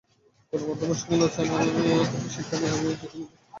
গণমাধ্যমের সমালোচনা থেকে শিক্ষা নিয়ে আমি যেকোনো ভুল সংশোধন করতে চাই।